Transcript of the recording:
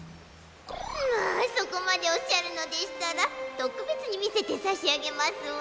まあそこまでおっしゃるのでしたらとくべつにみせてさしあげますわ。